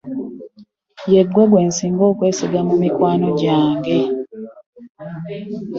Ye gwe gwe nsinga okwesiga mu mikwano gyange.